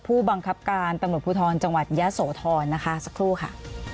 ผู้บังคับการตำรวจภูทรจังหวัดยะโสธรนะคะสักครู่ค่ะ